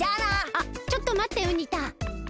あっちょっとまってウニ太。